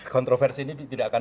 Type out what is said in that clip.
kontroversi ini tidak akan